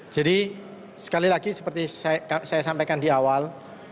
jadi sekali lagi seperti saya sampaikan di awal